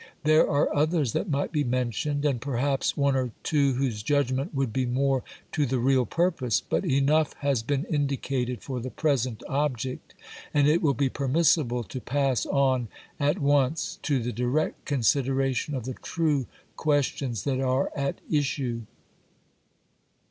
There are others that might be mentioned, and perhaps one or two whose judgment would be more to the real purpose, but enough has been indicated for the present object, and it will be permissible to pass on at once to the direct consideration of the true questions that are at issue.